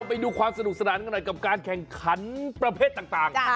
ไปดูความสนุกสนานกันหน่อยกับการแข่งขันประเภทต่าง